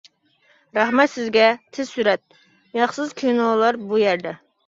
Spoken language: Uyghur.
رەھمەت سىزگە تېز سۈرئەت، ھەقسىز كىنولار بۇ يەردە.